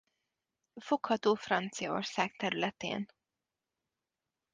Fogható Franciaország területén.